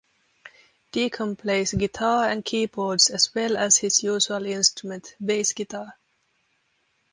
Deacon plays guitar and keyboards as well as his usual instrument, bass guitar.